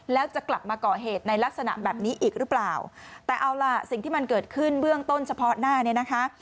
แล้วจะกลับมาก่อเหตุในลักษณะแบบนี้อีกหรือเปล่าแต่เอาล่ะสิ่งที่มันเกิดขึ้นเบื้องต้นเฉพาะหน้าเนี่ยนะคะ